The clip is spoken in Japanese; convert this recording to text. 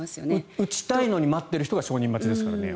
打ちたいのに待っている人が承認待ちですからね。